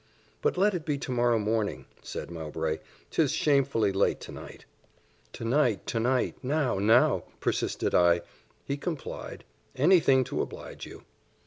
"But let it be to morrow morning," said Mowbray; "'tis shamefully late to night." "To night to night now, now," persisted I. He complied: "Any thing to oblige you."